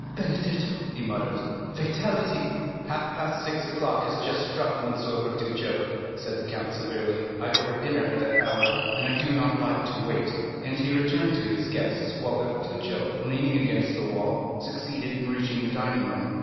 "Benedetto?" he muttered; "fatality!" "Half past six o'clock has just struck, M. Bertuccio," said the count severely; "I ordered dinner at that hour, and I do not like to wait;" and he returned to his guests, while Bertuccio, leaning against the wall, succeeded in reaching the dining room.